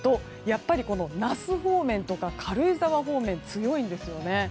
やっぱり那須方面とか軽井沢方面は強いんですよね。